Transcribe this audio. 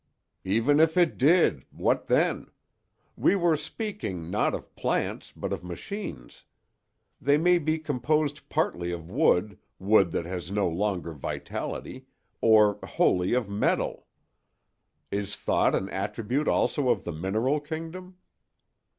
"Even if it did—what then? We were speaking, not of plants, but of machines. They may be composed partly of wood—wood that has no longer vitality—or wholly of metal. Is thought an attribute also of the mineral kingdom?"